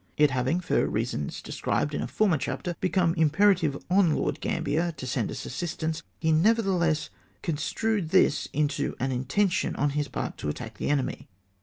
It having, for reasons described in a former chapter, become imperative on Lord Gambier to send us assist ance, he, nevertheless, construed this into an intention on his part to attack the enemy.